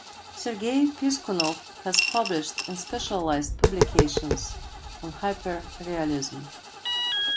Sergey Piskunov has published in specialized publications on hyperrealism.